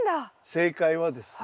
正解はですね